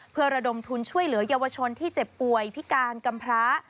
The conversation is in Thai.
เพื่อระดมทุนช่วยเหลือเยาวชนที่เจ็บป่วยพิการกำพร้า